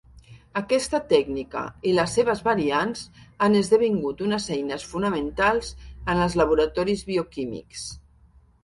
Aquesta tècnica, i les seves variants, han esdevingut unes eines fonamentals en els laboratoris bioquímics.